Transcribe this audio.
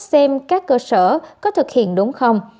xem các cơ sở có thực hiện đúng không